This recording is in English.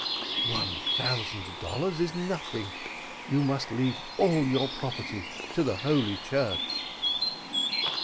"One thousand dollars is nothing you must leave all your property to holy church."